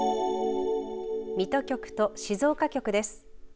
水戸局と静岡局です。